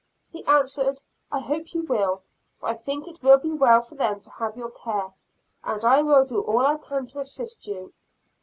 He answered, "I hope you will, for I think it will be well for them to have your care, and I will do all I can to assist you."